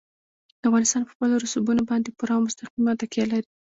افغانستان په خپلو رسوبونو باندې پوره او مستقیمه تکیه لري.